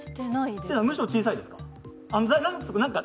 むしろ小さいですか？